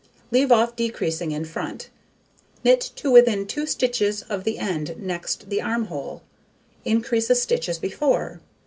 Leave off decreasing in front; knit to within 2 stitches of the end next the arm hole; increase a stitch as before.